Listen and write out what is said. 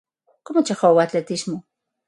Como chegou ao atletismo?